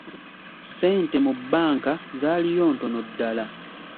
Essente mu banka zaliyo ntono ddala.